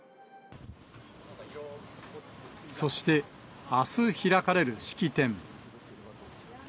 そして、あす開かれる式典。